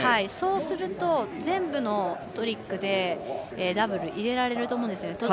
そうすると、全部のトリックでダブル入れられると思うんですよね。